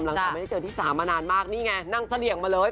หลังจากไม่ได้เจอที่สามมานานมากนี่ไงนั่งเสลี่ยงมาเลย